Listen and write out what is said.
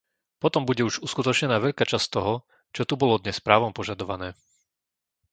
Potom bude už uskutočnená veľká časť z toho, čo tu bolo dnes právom požadované.